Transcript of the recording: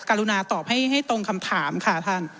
รุณาตอบให้ตรงคำถามค่ะท่าน